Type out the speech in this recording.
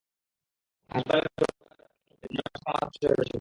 হাসপাতালে ঢোকার আগ মুহূর্তে উনার সাথে আমাদের পরিচয় হয়েছিল।